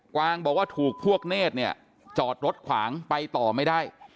วางบอกว่าถูกพวกเนธเนี่ยจอดรถขวางไปต่อไม่ได้